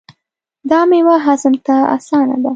دا میوه هضم ته اسانه ده.